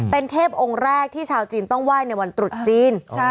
เป็นเทพองค์แรกที่ชาวจีนต้องไหว้ในวันตรุษจีน